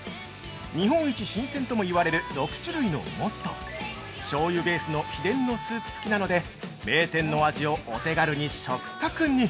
日本一新鮮とも言われる６種類のモツと、しょうゆベースの秘伝のスープ付きなので、名店の味をお手軽に食卓に！！